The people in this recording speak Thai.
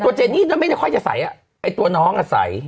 เจนี่นั้นไม่ได้ค่อยจะใส่ไอ้ตัวน้องอ่ะใส่